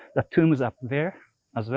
ada kubur di sana juga